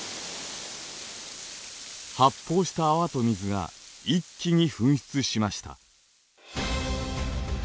発泡した泡と水が一気に噴出しました。